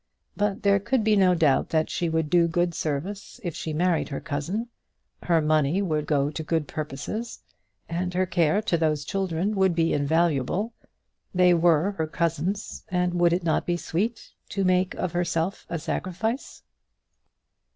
But there could be no doubt that she would do good service if she married her cousin; her money would go to good purposes, and her care to those children would be invaluable. They were her cousins, and would it not be sweet to make of herself a sacrifice?